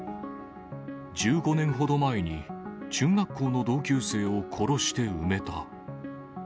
１５年ほど前に、中学校の同級生を殺して埋めた。